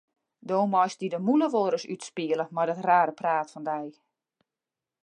Do meist dy de mûle wolris útspiele mei dat rare praat fan dy.